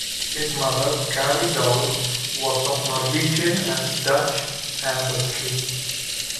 His mother, Carrie Dahl, was of Norwegian and Dutch ancestry.